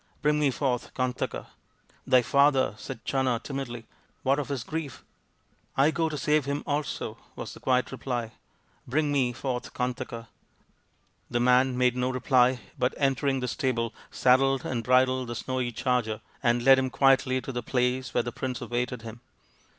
Bring me forth Kantaka." " Thy father/' said Channa timidly, " what of his grief ?"" I go to save him also/' was the quiet reply. " Bring me forth Kantaka." The man made no reply, but, entering the stable, saddled and bridled the snowy charger and led him quietly to the place where the prince awaited him.